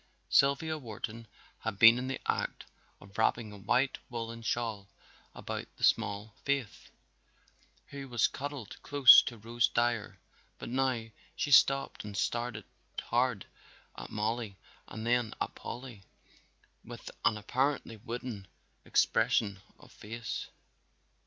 Sylvia Wharton had been in the act of wrapping a white woolen shawl about the small Faith, who was cuddled close to Rose Dyer, but now she stopped and stared hard at Mollie and then at Polly with an apparently wooden expression of face.